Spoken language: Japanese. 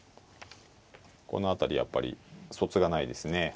この辺りやっぱりそつがないですね